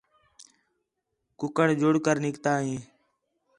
کُکڑ جُڑ کر نِکتا ہِے